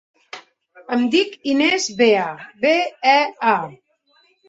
Em dic Inés Bea: be, e, a.